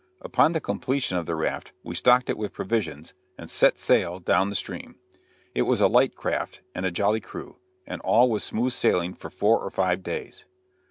Upon the completion of the raft we stocked it with provisions, and "set sail" down the stream. It was a light craft and a jolly crew, and all was smooth sailing for four or five days.